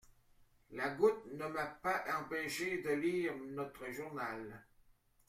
La goutte ne m'a pas empêché de lire notre journal.